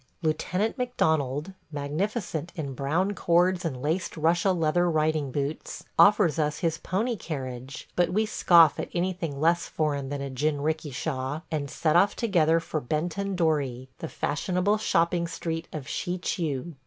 Lieutenant McDonald, magnificent in brown cords and laced Russia leather riding boots, offers us his pony carriage, but we scoff at anything less foreign than a jinrikisha, and set off together for Benton dori, the fashionable shopping street of Shichiu.